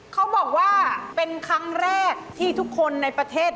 เขาบอกว่าเป็นครั้งแรกที่ทุกคนในประเทศ